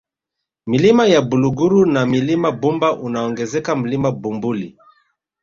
Milima ya Buliguru na Mlima Bumba unaongezeka Mlima Bumbuli